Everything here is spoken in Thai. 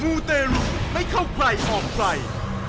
มูตร์ตแรกให้เข้าใครออกใคร